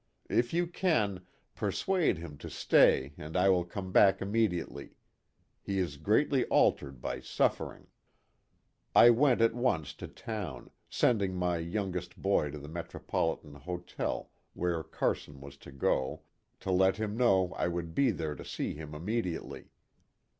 If you can, persuade him to stay and I will come back immediately. He is greatly altered by suffering/' I went at once to town, sending my youngest boy to the Metropolitan Hotel where Carson was to go, to let nim know I would be there to see him immediately.